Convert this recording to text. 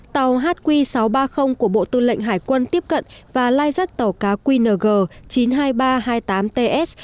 tàu hq sáu trăm ba mươi của bộ tư lệnh hải quân tiếp cận và lai rắt tàu cá qng chín mươi hai nghìn ba trăm hai mươi tám ts